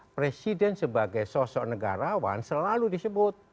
presiden sebagai sosok negarawan selalu disebut